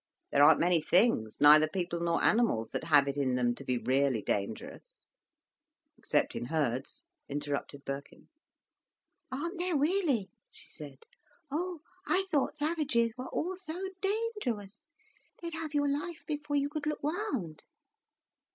There aren't many things, neither people nor animals, that have it in them to be really dangerous." "Except in herds," interrupted Birkin. "Aren't there really?" she said. "Oh, I thought savages were all so dangerous, they'd have your life before you could look round."